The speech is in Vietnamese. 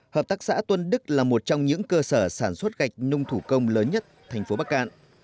hợp tác xã tuân đức là một trong những cơ sở sản xuất gạch nung thủ công lớn nhất thành phố bắc cạn